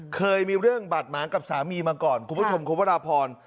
เคยมีเรื่องบาดหมางกับสามีมาก่อนคุณผู้ชมคุณพระราพร